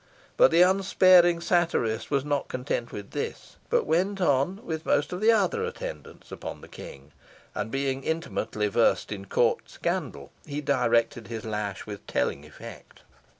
But the unsparing satirist was not content with this, but went on, with most of the other attendants upon the King, and being intimately versed in court scandal, he directed his lash with telling effect.